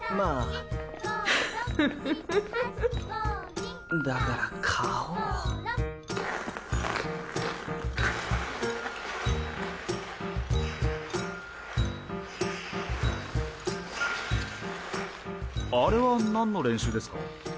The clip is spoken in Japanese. あれは何の練習ですか？